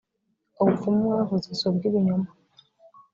ubupfumu mwavuze si ubw’ibinyoma